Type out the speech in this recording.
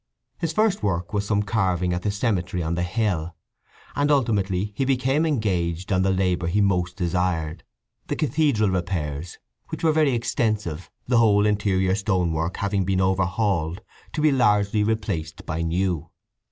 His first work was some carving at the cemetery on the hill; and ultimately he became engaged on the labour he most desired—the cathedral repairs, which were very extensive, the whole interior stonework having been overhauled, to be largely replaced by new.